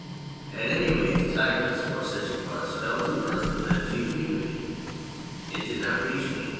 At any rate the tigress (for such it was) fell to earth within a few feet of me. It did not reach me.